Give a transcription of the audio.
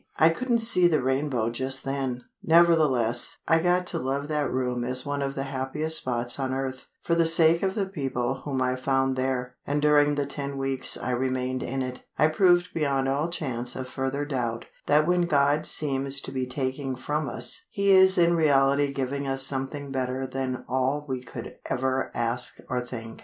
I couldn't see the rainbow just then. Nevertheless, I got to love that room as one of the happiest spots on earth, for the sake of the people whom I found there; and during the ten weeks I remained in it, I proved beyond all chance of further doubt that when God seems to be taking from us, He is in reality giving us something better than all we could ever ask or think.